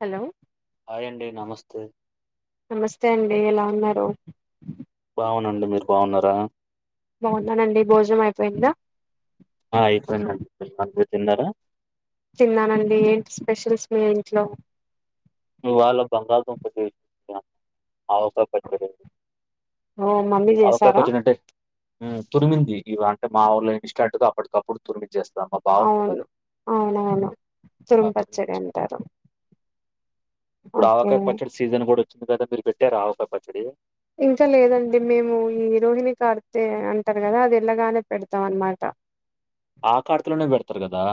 Hello hi అండి నమస్తే నమస్తే అండి ఎలా ఉన్నారు అవునండి మీరు బాగున్నార బాగున్నానండి భోజనం అయిపోయింద ఆ అయిపోయింది అండి [unintelligible] తిన్నానండి ఏంటి స్పెషల్స్ మీ ఇంట్లో మీ వాల్లు బంగలదుంప ఆవుకాయ ఓ మమ్మీ చేసారా పచ్చడి [unintelligible] తురిమింది ఇవి అంటే మా ఊళ్ళ [unintelligible] అప్పటికప్పుడు తురిమింది చేస్తా [unintelligible] అవును బాగుంటంది అవునవును తురుం అది పచ్చడి అంటారు ఇప్పుడు ఓకే ఆవకాయ పచ్చడి సీజన్ కూడ వచ్చింది కదా మీరు పెట్టారు ఆవకాయ పచ్చడి ఇంకా లేదండి మేము ఈ రోహిణి కార్తేె అంటారు కద అది ఎలగానే పెడతాం అనమాట ఆ కార్తి లోనే పెడతారు కదా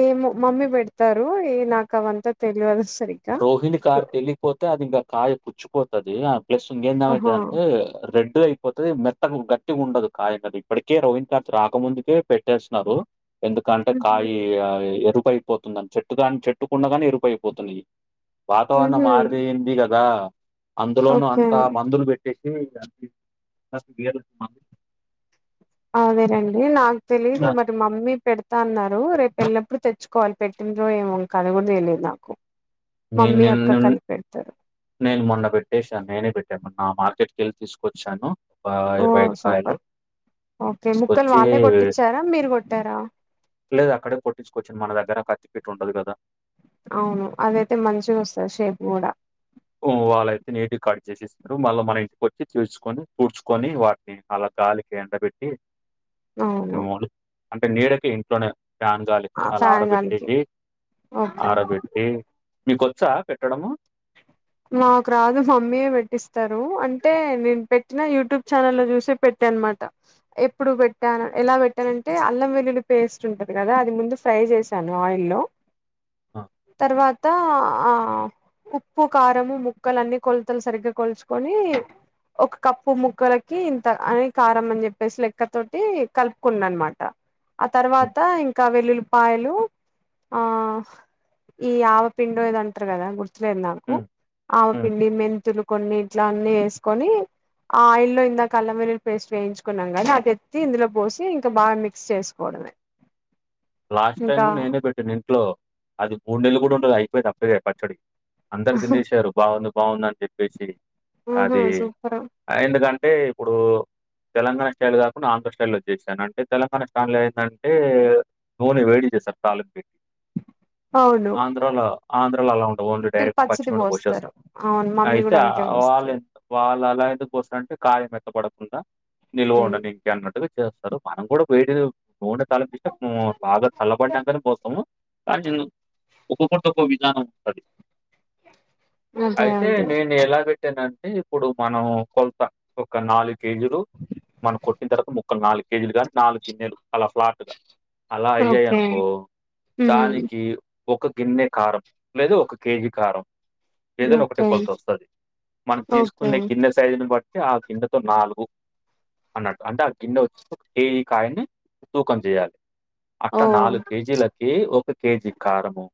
ఏమో మమ్మీ పెడతారు ఏ నాకు అవంత తెలియదు సరిగ్గా రోహిణి కార్తి ఎల్లిపోతే అది ఇంకా కాయ పుచ్చిపోతది ప్లస్ ఇంకేం [unintelligible] ఆహా వచ్చంటే రె అయిపోతది మెత్తకు గట్టిగా ఉండదు కాయ అది ఇప్పటికే రవీంద్ కథ్ రాకముందుకే పెట్టేస్తున్నారు ఎందుకంటే ఊహూ కాయ ఎరుపుయిపోతుందిని చెట్టుగాని చెట్టుకుండగానే ఎరుపు అయిపోతున్నాయి వాతావరణం ఊహూ [unintelligible] కదా అందులోనూ అంత ఓకే మందులు పెట్టి అదేనండి నాకు తెలీదు మరి మమ్మీ పెడత అన్నారు రేపు వెళ్ళినప్పుడు తె కాల్ పెట్టినో ఏమో ఇంకా అది కూడ తెలియదు నాకు నేను మమ్మీ నిన్ అక్క నేను కలిపి పెడతారు నేను మొన్న పెట్టేశాను నేనే పెట్టాను నా మార్కెట్కి వెళ్ళి తీసుకొచ్చాను ఒక ఓ ఇరవై ఐదు కాయలు సూపర్ ఓకే ముక్కలు తీసుకొచ్చి వాళ్ళే కొట్టించార మీరు కొట్టార లేదు అక్కడే కొట్టించుకొచ్చ మన దగ్గర కత్తి పెట్టి ఉండదు కదా అవును అదైతే మంచిగా వస్తంది షేప్ కూడ వాళ్ళయితే నేటి కడ్ చేసిస్తారు మళ్ళీ మన ఇంటికి వచ్చి చూసుకొని [unintelligible] ని వాటిని అలా గాలకి ఎండ పెట్టి అవును అంటే నీడకి ఇంట్లోనే ఫ్యాన్ గాలికి అలా ఫ్యాన్గాలికి ఆరబెట్టేసి ఓకే ఆరబెట్టి మీకొచ్చా పెట్టడము మాకు రాదు మమ్మీయే పెట్టిస్తరు అంటే నేను పెట్టిన యూట్యూబ్ ఛానల్ లో చూసి పెట్ అనమాట ఎప్పుడు పెట్టాను ఎలా పెట్టానంటే అల్లం వెల్లులి పేస్ట్ ఉంటది కదా అది ముందు ఫ్రై ఆ! [unintelligible] తర్వాత ఉప్పు కారము ముక్కలు అన్నీ కొలతలు సరిగ్గ కొలుచుకొని ఒక కప్పు ముక్కలకి ఇంత అని కారం అని చెప్పేసి లెక్క తోటి కలుపుకున్నా అనమాట ఆ హ్మ్. తర్వాత ఇంక వెల్లులిపాయలు ఆ ఇ ఆవ పిండుో ఏదో అంటారు కదా గుర్తులేదు నాకు హ్మ్. హ్మ్. ఆవపిండి మెంతులు కొన్ని ఇట్ల అన్నీ వేసుకొని ఆ ఆయిల్ లో ఇందాక అల్లం వెల్లుల్లి పేస్ట్ వేయించుకున్నాం కాదనీ అది ఎత్తి ఇందులో పోసి ఇంకా బాగా మిక్స్ చేసుకోవదు లాస్ట్ టైమ్ నేనే పెట్టాను ఇంట్లో అది మూడు నెలలు కూడ [unintelligible] అయిపోయింది అప్పుడే పచ్చడి అందరు తినేసారు బాగుంది బాగుంది అని చెప్పేసి ఆహా అది సూపర్ ఎందుకం టే ఇప్పుడు తెలంగాణ స్టైల్ కాకుండా ఆంధ్ర స్టైల్ లో చేశాను అంటే తెలంగాణ స్టాన్ లో ఏందంటే నూనె వేడి చేస్తారు తాలింపు కి అవును ఆంధ్రలో ఆంధ్ర్ లలో అలా ఉండవు ఓన్లీ డైరెక్ట్ పచ్చి పచ్చిది నూనె పోస్తారు పోసేస్తాం అవును మమ్మీ అయితే కూడా అంతే వాళ్ళ పోస్తది వాళ్ళ ఇలా ఎందుకు పోస్తారంటే కాయ మెత్త పడకుండా నిల్వ ఉండనీకి అన్నట్టుగా చేస్తారు మనం కూడా వేడి బోండ తలింపేస్తే ఊమ్ బాగా చల్లబడినాంకనే పోస్తాము. కానీ ఒక్కొక్కరిది ఒక్కొక్క విధానం ఉంటది. అదే అయితే అదే నేను ఎలా పెట్టానన్ టే ఇప్పుడు మనం కొలత ఒక నాలుగు కేజీలు మనం కొట్టిన తర్వాత ముక్కలు నాలుగ్ కేజీలు గానీ నాలుగు గిన్నెలు అలా ఫ్లాట్ గా అలా అయ్యాయి ఓకే అనుకో దానికి ఒక గిన్నె కారం లేదు ఒక కేజీ కారం ఏదైనా ఒకటే ఓకే కొలత వస్తది మనం ఓకే తీసుకునే గిన్నె సైజుని బట్ అంటే ఆ గిన్నెతో నాలుగు అన్నట్టు అంటే ఆ గిన్నె వచ్చి కేజీ కాయని తూకం చేయాలి. ఓ అట్లా నాలుగు కేజీలకి ఒక కేజీ కారము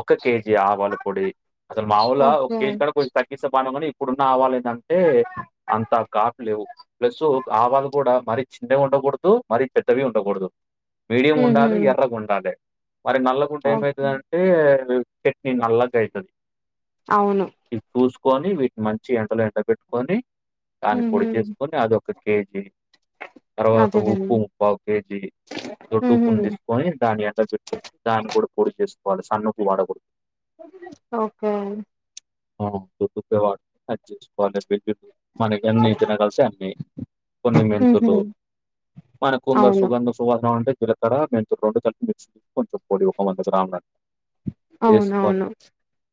ఒక కేజీ ఆవాల పొడి అసలు మాముూల ఒక ఓకే కేజీ కంటే కొంచెం తగ్గిస్తే బావుండు గానీ ఇప్పుడున్న ఆవాలు ఏందంటే అంత గాట్లేవు ప్లస్ ఆవాలు కూడా మరీ చిన్నవి ఉండకూడదు మరీ పెద్దవి ఉండకూడదు. మీడియం ఉహు ఉండాలి ఎర్రగుండాలే. మరి నల్లగుంటే ఓకే ఏమైతదంటే చట్నీ నల్లగ అయితది. అవును కొని వీటిని మంచిగా ఎండలో ఎండ పెట్టుకొని దాన్ని ఉహు పొడి చేసుకొని అది ఒక కేజీ తర్వాత ఉప్పు అదేనండి ఇంకో పౌకేజీ ఉహు దొడ్డుప్పుని తీసుకొని దాన్ని ఎండ పెట్టి దాన్ని గూడా పొడి చేసుకోవాలి సన్నుప్పు వాడకూడదు. ఓకే ఆ దొడ్డుప్పే [unintelligible] మనకి ఎన్ని తినగలితే అన్నీ కొన్ని ఉహు మెంతులు మనకు ఇంగ అవును సుగంధ [unintelligible] సువాసన ఉంటే జీలకర్ర మెంతులు రెండు కలిపి మిక్సికి వేస్కోని కొంచెం పొడి ఒక వంద గ్రాములు వేస్కోని అవునవును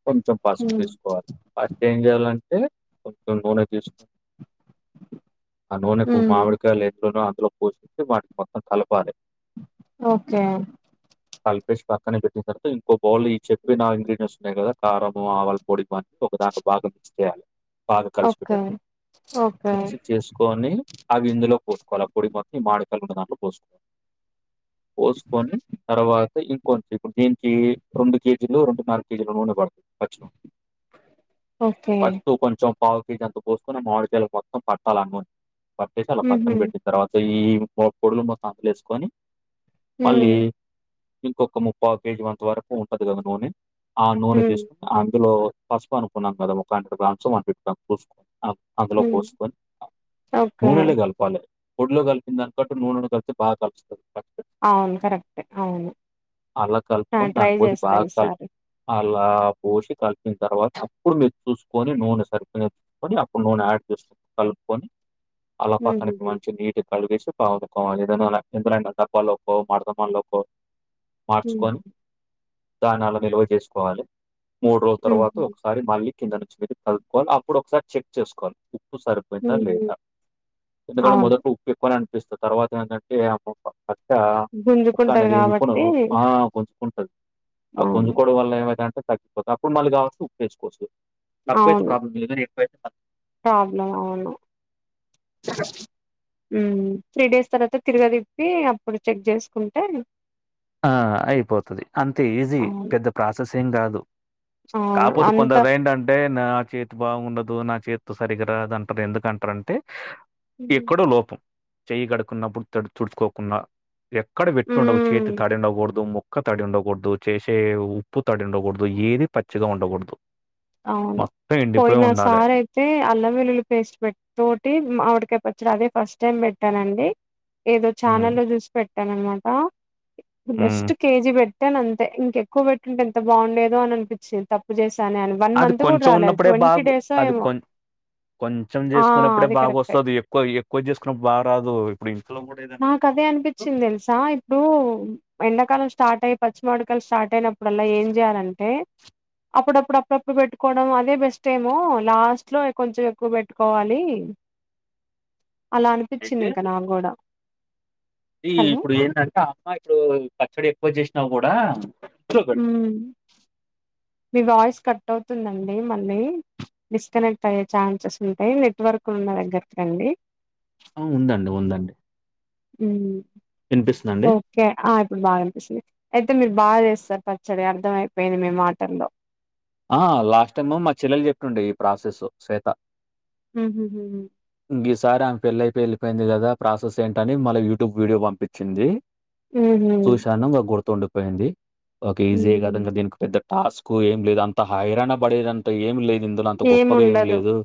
కొంచెం పసుపు తీసుకోవాలి పస్ట్ ఏం చేయాలంటే కొంచెం నూనె తీసుకోని ఆ ఉ నూనెకు మామిడికాయ లెన్నున్నాయో అన్ దులో పోసుకొని వాటిని మొత్తం కలపాలి. ఓకే కల్పేషి పక్కనే పెట్టిన తర్వాత ఇంకో బౌల్ లో ఈ చెప్పిన ఇంగ్రీడియంట్స్ ఉన్నాయి కదా కారము ఆవల పొడి ఇవన్నీ ఒక దాంట్లో బాగా మిక్స్ చేయాలి బాగా కలిసి ఓకే పోయేటట్టు ఓకే మిక్స్ చేసుకొని అవి ఇందులో పోసుకోవాలి ఆ పొడి మొత్తం ఈ మామిడికాయలున్న దాంట్లో పోస్కోవాలి. పోస్కోని తర్వా త ఇంకొంచెం ఇప్పుడు దీనికి రెండు కేజీలు రెండున్నర కేజీలు నూనె పడుతుంది పచ్చి నూనె ఓకే పష్టూ కొంచెం పౌకేజీ అంత పోస్కోని మామిడికాయలకి మొత్తం పట్టాలి ఆ నూనె పట్టేసి అలా పక్కన ఉహు పెట్టిన తర్వాత ఈ మొ పొడులు మొత్తం అందులో ఏస్కోని ఉ మళ్ళీ ఇంకొక్క ముప్పావు కేజీ వంతు వరకు ఉంటది గదా నూనె ఆ ఉ నూనె తీసుకొని అందులో పసుపు అనుకున్నాం గదా ఒక hundred grams one fifty grams చూస్కో ఆ అందులో ఉ పోస్కోని ఓకే. నూనెలో కలపాలే పొడ్లో కలిపిన దాని కంటే నూనెలో కలిపి బాగా కలుస్తుంది అవును. కరెక్టే. అవును. అలా ఆ! కలుపుకొని దాన్ని ట్రై పోసి జేస్తా బాగా కల్పి ఈసారి. ఇలా పోసి కలిపిన తర్వాత అప్పుడు మీరు చూసుకొని నూనె సరిపోసుకొని అప్పుడు నూనె యాడ్ చేసుని కలుపుకొని అలా పక్కనికి హుహుహు. మంచి నీటి కలిగేసి పావుకం అ ఎందులనా తప్పాలో మార్తమ్మాన్ లోకో హుహు. మార్చుకొని దాన్ని అలా నిల్వ చేసుకోవాలి మూడు రోజుల తర్వాత హుహు. ఒకసారి మళ్ళీ కింద నుంచి మీరు కలుపుకొని అప్పుడు ఒకసారి చెక్ చేసుకోవాలి ఉప్పు సరిపోయిందా హుహు. లేదా ఎందుకంటే అవును. మొదట ఉప్పు ఎక్కువనే అనిపిస్తా తర్వాత ఏంటంటే పక్కా గుంజుకుంటది ఉక్కనేది ఉప్పును గాబట్టి ఆ కొంచం ఉంటది ఆ అవును. గుంజుకోడం వల్ల ఏమైతాది అంటే తగ్గిపోతుంది తక్కువ ఉన్నవాళ్ళు కావచ్చు ఉప్పేసుకోవచ్చు తక్కువ అయితే ప్రాబ్లమ్ లే ఎక్కువ అయి ప్రాబ్లం అవును స హు త్రీ డేస్ తర్వాత తిరగ తిప్పి అప్పుడు చెక్ చేసుకుంటే ఆ అయిపోతది అంతే ఈజీ అవును. పెద్ద ప్రాసెసింగ్ కాదు అవును. కాపోతే అంత కొందరు ఏంటంటే నాకి ఇది బాగుండదు నా చేత్తో సరిగా రాదు అంటారు ఎందుకంటారంటే హుహు. ఎక్కడో లోపం చెయ్యి కడుకున్నప్పుడు తుడుచుకోకుండా ఎక్కడ పెట్టిండవు చేతి హ్మ్. ఉండకూడదు ముొక్క తడి ఉండకూడదు చేసే ఉప్పు తడి ఉండకూడదు ఏది పచ్చిగా ఉండకూడదు అవును మొత్తం ఎండిపోయి పోయిన ఉండాలె. సారి అయితే అల్లం వెల్లుల్లి పేస్ట్ పెట్ తటి మామిడికాయ పచ్చడి అదే ఫస్ట్ టైం పెట్టానండి ఏదో హ్మ్. ఛానల్ లో చూసి పెట్టాననమాట హ్మ్. జస్ట్ కేజి పెట్ ట్టాను అంతే ఇంకెక్కువ పెట్టింటే ఎంత బాగుండేదో అని అనిపించింది తప్పు చేశానే వన్ అది మంత్ కూడా కొంచెం రాలేదు ఉన్నప్పుడే ట్వంటీ బాగు డేస్ అది ఏమో కొం కొంచెం ఆ చేసుకున్నప్పుడే అది బాగా కరెక్టే వస్తది ఎక్కువ ఎక్కువ చేసుకున్నప్పుడు బాగా రాదు ఇప్పుడు ఇంట్లో గూడా ఇదనుకుంటారు. నాకు అదే అనిపించింది తెలుసా ఇప్పుడు ఎండకాలం స్టార్ట్ అయ్యి పచ్చి మామిడికాయలు స్టార్ట్ స్టార్ట్ అయినప్పుడల్లా ఏం చేయాలంటే అప్పుడప్పుడు అప్పుడప్పుడు పెట్టుకోవడం అదే బెస్ట్ ఏమో లాస్ట్ లో కొంచెం ఎక్కువ పెట్టుకోవాలి అలా అనిపించింది ఇంకా నాకు కూడా అ హలో ఇప్పుడు ఏంటంటే అమ్మా ఇప్పుడు పచ్చడి ఎక్కువ చేసినా కూడా చబ హ్మ్. మీ వాయిస్ కట్ అవుతుందండి మళ్ళీ డిస్కనెక్ట్ అయ్యే ఛాన్సెస్ ఉంటాయి నెట్వర్క్ ఉన్న దగ్గరకి రండి ఆ ఉందండి ఉందండి ఉ వినిపిస్తుందండి ఓకే అ ఇప్పుడు బాగా అనిపిస్తుంది అయితే మీరు బాగా చేస్తారు పచ్చడి అర్థం అయిపోయింది మీ మాటల్లో ఆ లాస్ట్ టైమ్ మా చెల్లెలు చెప్తుండే ఈ ప్రాసెస్ శ్వేత హు ఈ సారి ఆమె పెళ్లి అయిపోయి వెళ్ళిపోయింది కదా ప్రాసెస్ ఏంటని మళ్ళ యూటూబ్ వీడియో పంపించింది హుహు. చూశాను ఇంకా గుర్తుండిపోయింది ఓకే ఈజీ హుహు. కద దీనికి పెద్ద టాస్క్ ఏం లేదు అంత హైరాణ పడేదంత ఏం లేదు ఇందులో అంత గొప్పగా ఏం లేదు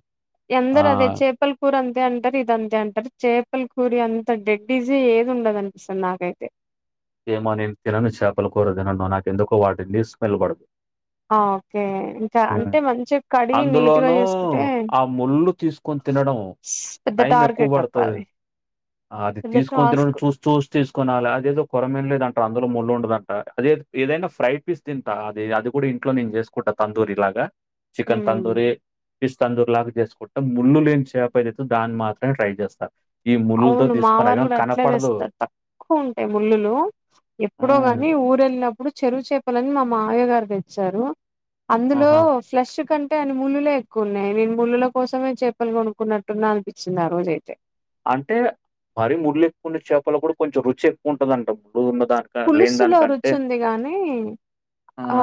ఆ ఎందరు అదే చేపల్ కూర అంతే అంటారు ఇది అంతే అంటారు చేపల్ కూరి అంత డెడ్ ఈజీ ఏది ఉండదు అనిపిస్తుంది నాకైతే ఏమో నేను తినను చాపలు కూర తినను నాకకెందుకో వాటిది స్మెల్ పడదు ఆ! ఓకే. ఇంకా ఆ అంటే మంచిగా కడిగి నీట్‌గా అందులోనూ చేసుకుంటే ఆ ముళ్ళు తీసుకు కుని తినడం పెద్ద టైం ఎక్కువ టార్గెట్ అబ్బా పడతది అది. అది పెద్ద తీసుకొని తినడం టాస్క్. చూసి చూసి తీసుకొనాలి అదేదో కొరమీను లేదంటారు అందులో ముళ్ళ ఉండదంట అది ఏదైనా ఫ్రై పీస్ తింటా అది అది కూడా ఇంట్లో నేను చేసుకుంటా తందూరి లాగా చికెన్ హ్మ్. తందూరి పీస్ తందురీ లాగా చేసుకుంటా ముళ్ళు లేన్ చేప ఐతే దాన్ని మాత్రమే ట్రై చేస్త అవును మా వారు కూడా అట్లే తెస్తారు తక్కువ ఉంటాయి ముళ్ళులు ఎప్పుడో హ్మ్. కాని ఊరు వెళ్ళినప్పుడు చెరువు చేపలని మా మావయ్య గారు తెచ్చారు అందులో ఆహా! ఫ్లష్ కం టే ముళ్ళులే ఎక్కువ ఉన్నాయి మేము ముళ్ళుల కోసమే చెప్పలు కొనుక్కున్నట్టున్నా అనిపించింది ఆ రోజైతే అంటే మరి ముల్లేక్కువన్న చేపల కూడా కొంచెం రుచి ఎక్కువ ఉంటుందంట పులుసులో రుచి ఉంది గానీ ఆ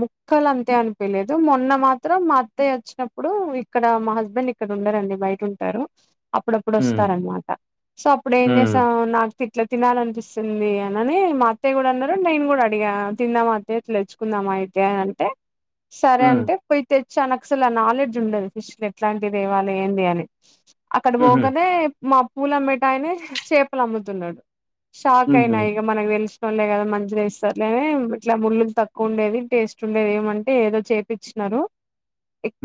ముక్కలు అంతే అనిపిలేదు మొన్న మాత్రం మా అత్తయ్య వచ్చినప్పుడు ఇక్కడ మా హస్బెండ్ ఇక్కడ ఉండరండి బయట ఉంటారు అప్పుడప్పుడు హ్మ్. వస్తారనమాట సో అప్పుడు ఏం చేస హ్మ్. నాకు ఇట్లా తినాలనిపిస్తుంది ని మా అత్తయ్య కూడా అన్నారు నేను కూడా అడిగా తిందామా అత్తయ్య తెచ్చుకుందామా అయితే అని అంటే సరే హ్మ్. అంటే పోయి తెచ్చా నాకసలు ఆ నాలెడ్జ్ ఉండదు ఫిష్ లో ఎట్లాంటితేవాలి ఏంది అని అక్కడ హుహు. పోగానే మా పూలు అమ్మేటాయనే చేపలు అమ్ముతున్నాడు షాక్ హుహు. అయినా మనకి తెలిసినోళ్లే కదా మంచిది ఇస్తారులేనే ఇట్లా ముల్లు తక్కువ ఉండేది టేస్ట్ ఉండేది ఏమంటే ఏదో ఏపించినారు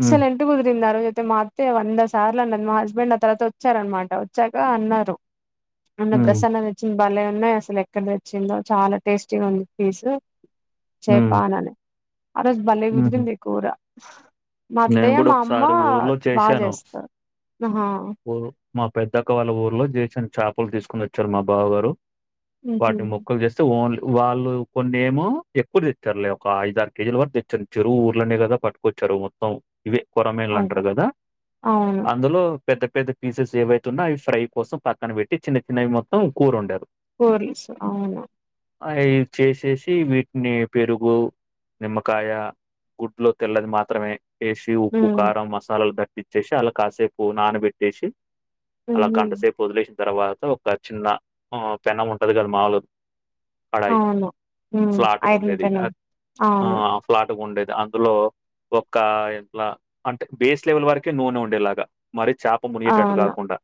హ్మ్. కుదిరింది ఆ రోజైతే టేస్ట్ అయితే మా అత్తయ్య వంద సార్లు అన్నది మా హస్బెండ్ నా తర్వాత వచ్చారనమాట వచ్చాక అన్నారు మొన్న హ్మ్. ప్రసన్న తెచ్చినవి బలే ఉన్నాయి అసలు ఎక్కడ తెచ్చిందో చాలా టేస్టీగా ఉంది ఫిష్ చేపా హ్మ్. నని ఆ రోజు బలే హుహు. కుదిరింది కూర నేను మాఅత్తయ్య గూడా మా అమ్మ ఒకసారి ఊర్లో బాగా చేశాను. చేస్తారు ఆహా ఊరు మా పెద్దక్క వాళ్ళ ఊర్లో జేషన్ చేపలు తీసుకుని వచ్చారు మా బావ గారు ఉహు వాటిని ముక్కలు చేస్తే ఓన్లీ వాళ్ళు కొన్ని ఏమో ఎక్కువ తెచ్చారులే ఒక ఐదు ఆరు కేజీల వరకు తెచ్చిరు ఊర్లోనే కదా పట్టు కొచ్చారు మొత్తం అవ్ ఇవే కొరమీన్లు అంటారు అదే కదా అవును అందులో పెద్ద పెద్ద పీసెస్ ఏవైతున్నా అవి ఫ్రై కోసం పక్కన పెట్టి చిన్న చిన్నవి మొత్తం కూర వండారు కోర్లిసు అవునా అయి చేసేసి వీటిని పెరుగు నిమ్మకాయ గుడ్డులో తెల్లది మాత్రమే వేసి ఉప్పు కారం మసాలాలు తట్టిచ్చేసి అలా కాసేపు నానబెట్టేసి అలా ఉమ్ గంటసేపు వదిలేసిన తర్వాత ఒక చిన్న పెనం ఉంటది కదా మాముూలుగా కడాయి అవును హ్మ్ ఫ్లాట్ ఐరన్ గుండేది పెనం అది ఆ అవును. ఫ్లాట్ గుండేది అందులో ఒక ఎట్లా అంటే బేస్ లెవెల్ వరకే నూనె ఉండేలాగా మరి చేప మునిగేటట్టు అవును. కాకుండా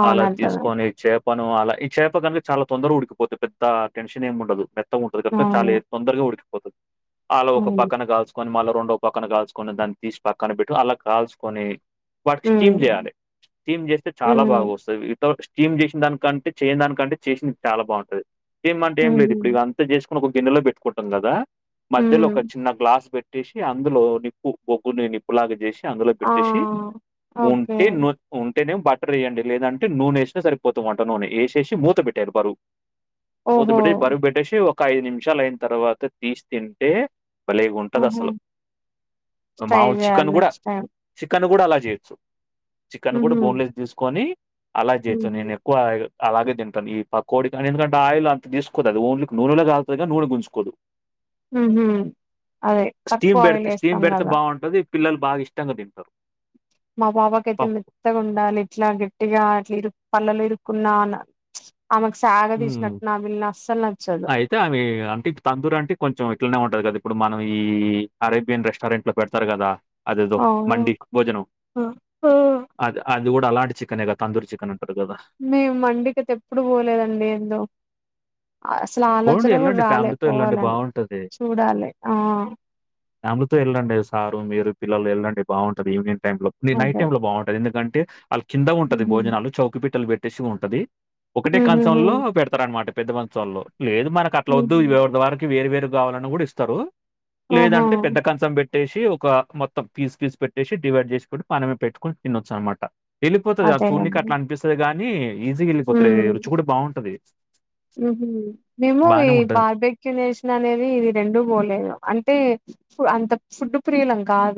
అవును అలా అర్థమైంది. తీసుకొని చేప మనం అలా ఈ చేప కనుక చాలా తొందరగా ఉడికిపోతుంది పెద్ద టెన్షన్ ఏమి ఉండదు ఉంటది కనుక చాలా అవును. ఏ అవును. తొందరగా ఉడికిపోతుంది అలా ఒక హ్మ్. పక్కన కాల్చుకొని మల్ల రెండో పక్కన కాల్చుకొని కొని దాన్ని తీసి పక్కన పెట్టు అలా కాల్సుకొని వాటికి స్టీమ్ చేయ్యాలి స్టీమ్ చేస్తే చాలా హ్మ్. బాగా వస్తుంది స్టీమ్ చేసిన దానికంటే చేయని దానికంటే చేసినంది చాలా బాగుంటది స్టీమ్ అంటే ఏం లేదు హుహు. ఇప్పుడు ఇగ అంతా జస్ట్ ఒక గిన్నెలో పెట్టుకుంటాం కదా మధ్యలో ఒక హ్మ్. చిన్న గ్లాస్ పెట్టేసి అందులో ని బొగ్గుని నిప్పులాగా చేసి అందులో ఆ! పెట్టేసి ఓకే. ఉంటే ను ఉంటేనే బట్ వేయండి లేదంటే నూనె వేసినా సరిపోతుంది వంట నూనె వేసేసి మూత పెట్టేయ్యాలి బరువు ఓహో! మూతపెట్టి బరువు పెట్టేసి ఒక ఐదు నిమిషాలు అయిన తర్వాత తీసి తింటే భలే ఉంటది హుహు. అసలు ట్రై మాముూలు చికెన్ జేయాలి కూడా నెక్స్ట్ టైమ్. చి చికెన్ కూడా అలా చేయొచ్చు చికెన్ కూడా హుహు. బోన్లెస్ తీసుకొని అలా చేయచ్చు హుహు. నేను ఎక్కువ అలాగే తింటాను ఈ పకోడిని ఎందుకంటే ఆయిల్ అంత తీసుకోదు అది ఓన్లీ నూనెలో కాల్తాది కానీ నూనె గుంచుకోదు హ్మ్ హు అదే తక్కువ ఆయిల్ వేస్తాం కదా అంటది పిల్లలు బాగా ఇష్టంగా తింటారు మా పాపాకైతే పప్పు. మెత్తగా ఉండాలి ఇట్లా గట్టిగా ఇరు పళ్ళల్లో ఇరుక్కున్నా ఆమెకు ప్చ్ సాగ హ్మ్. తీసినట్టు నమిలిన అసల్ అయితే అవి అంటే తందూరు అంటే కొంచెం ఇట్లనే ఉంట ఉంటది కదా ఇప్పుడు మనం ఈ అరేబియన్ రెస్టారెంట్ లో పెడతారు కదా అదేదో అవును. మండి భోజనం ఆ! ఆ! అది అది కూడా అలాంటి చికెన్ కదా తందూరి చికెన్ అంటా మేము మండికయితే ఎప్పుడు పోలేదండి ఏందో అసలు పోండి ఆలోచన కూడా ఎళ్ళండి రాలే ఫ్యామిలీతో ఎళ్ళండి పోవాలని బావుంటది. చూడాలి ఆ ఫ్యామిలీతో వెళ్ళండి సారు మీరు పిల్లలు వెళ్ళండి బాగుంటది ఈవినింగ్ టైమ్ లో మీ నైట్ అదే టైమ్ లో బాగుంటుంది ఎందుకంటే అంటే వాళ్ళ కింద ఉంటది ఉహు భోజనాలు చౌకి పట్టలు పెట్టేసి ఉంటది ఒకటే ఉహుహు కంచంలో పెడతారు అనమాట పెద్ద కంచంలో లేదు మనకు అట్ల వద్దు ఉహు. ఎవరి వారకి వేరే వేరు వేరుగా కావాలని కూడా ఇస్తారు ఆహా లేదంటే పెద్ద కంచం పెట్టి పెట్టేసి ఒక మొత్తం పీస్ పీస్ పెట్టేసి డివైడ్ చేసుకొని మనమే పెట్టుకొని తినొచ్చు అనమాట వెళ్ళిపోతుది ఆ చూడనికి అదేనండి అట్లా అనిపిస్తుంది గాని ఈజీగా వెళ్ళిపోతుంది రుచి కూడా బాగుంటది హ్మ్ హు మేము ఈ ఉంటది. బార్బెక్యునేషన్ అనేది ఇది రెండూ పోలేదు అంటే అంత ఫుడ్ ప్రియులం కాదు